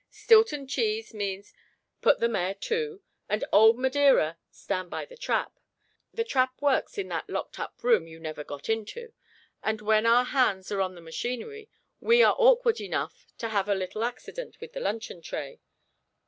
_ 'Stilton Cheese' means, Put the Mare to; and 'Old Madeira' Stand by the trap. The trap works in that locked up room you never got into; and when our hands are on the machinery, we are awkward enough to have a little accident with the luncheon tray.